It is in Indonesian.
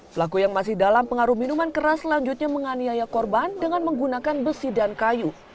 pelaku yang masih dalam pengaruh minuman keras selanjutnya menganiaya korban dengan menggunakan besi dan kayu